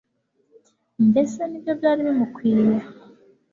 mbese ni byo byari bimukwiye